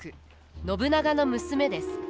信長の娘です。